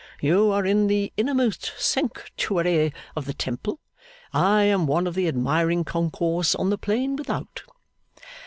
You are in the innermost sanctuary of the temple; I am one of the admiring concourse on the plain without.